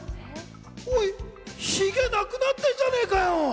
おいヒゲなくなってんじゃねえかよ！